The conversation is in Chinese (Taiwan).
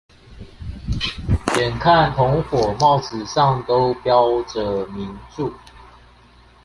眼看同夥帽子上都標著名目